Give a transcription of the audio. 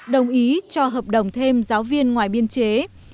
đồng ý cho hợp đồng thêm giáo viên ngoài biên chế